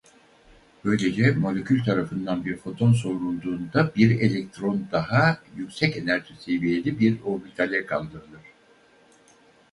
Böylece molekül tarafından bir foton soğurulduğunda bir elektron daha yüksek enerji seviyeli bir orbitale kaldırılır.